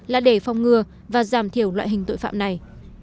là để phòng ngừa và giảm thiểu loại hình tội phạm này